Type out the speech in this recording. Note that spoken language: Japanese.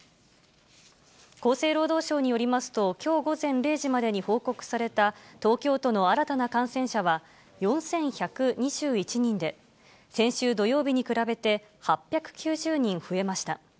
厚生労働省によりますと、きょう午前０時までに報告された東京都の新たな感染者は４１２１人で、先週土曜日に比べて、８９０人増えました。